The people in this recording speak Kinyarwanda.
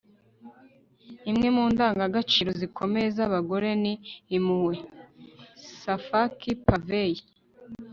imwe mu ndangagaciro zikomeye z'abagore ni impuhwe. - safak pavey